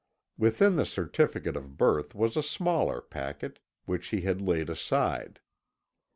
Within the certificate of birth was a smaller packet, which he had laid aside.